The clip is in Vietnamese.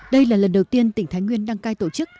đây là lần đầu tiên tỉnh thái nguyên đăng cai tổ chức